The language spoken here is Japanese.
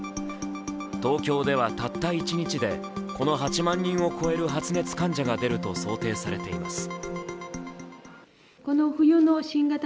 東京ではたった１日でこの８万人を超える発熱患者が出ると想定されています。